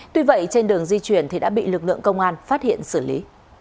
tuy vậy trên đường di chuyển thì đã bị lực lượng công an phát hiện xử lý